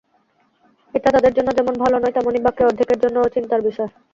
এটা তাদের জন্য যেমন ভালো নয়, তেমনি বাকি অর্ধেকের জন্যও চিন্তার বিষয়।